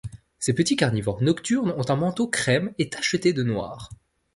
Ces petits carnivores nocturnes ont un manteau crème et tacheté de noir.